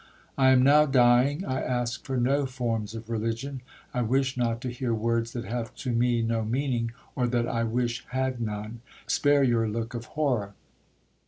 I am now dying. I ask for no forms of religion—I wish not to hear words that have to me no meaning, or that I wish had none! Spare your look of horror.